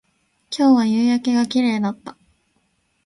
今日は夕焼けが綺麗だった